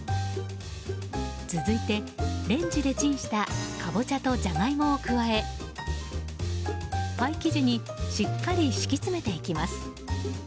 続いて、レンジでチンしたカボチャとジャガイモを加えパイ生地にしっかり敷き詰めていきます。